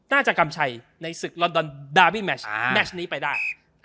น่าจะกลำชัยในสุดลอนดอนดาร์บิทมาแชน์นี้ไปได้